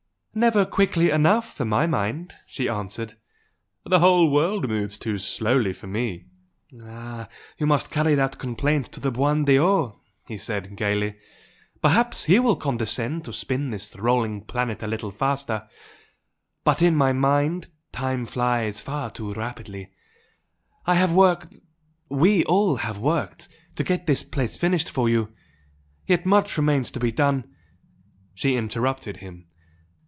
"Never quickly enough for my mind!" she answered "The whole world moves too slowly for me!" "You must carry that complaint to the buon Dio!" he said, gaily "Perhaps He will condescend to spin this rolling planet a little faster! But in my mind, time flies far too rapidly! I have worked we all have worked to get this place finished for you, yet much remains to be done " She interrupted him.